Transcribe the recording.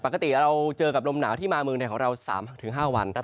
ปกติเราเจอกับลมหนาวที่มาเมืองไทยของเรา๓๕วันครับ